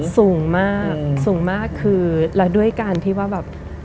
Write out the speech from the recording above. สูงมากสูงมากคือแล้วด้วยการที่ว่าแบบ